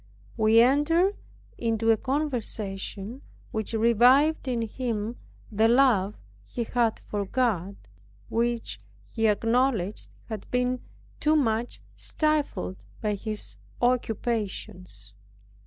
We entered into a conversation which revived in him the love he had for God, which he acknowledged had been too much stifled by his occupations.